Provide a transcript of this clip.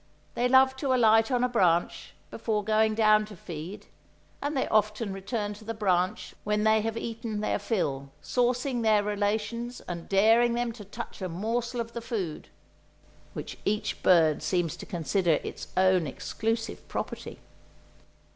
They love to alight on a branch, before going down to feed, and they often return to the branch when they have eaten their fill, saucing their relations and daring them to touch a morsel of the food, which each bird seems to consider its own exclusive property!